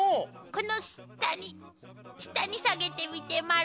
この下に下に下げてみて丸を。